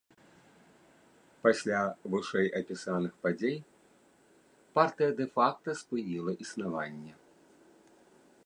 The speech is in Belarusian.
Пасля вышэйапісаных падзей, партыя дэ-факта спыніла існаванне.